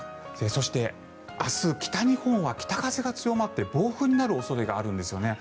そして、明日北日本は北風が強まって暴風になる恐れがあるんですよね。